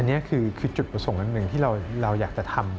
อันนี้คือจุดประสงค์อันหนึ่งที่เราอยากจะทำ